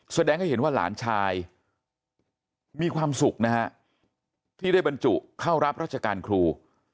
แสดงให้เห็นว่าหลานชายมีความสุขนะฮะที่ได้บรรจุเข้ารับราชการครู